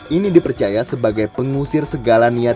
ini dipercaya sebagai pengusir segala niat